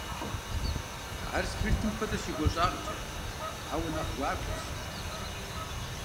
Ар спиртым хуэдэщ и гуащӀагъкӀэ, ауэ нэхъ гуакӀуэщ.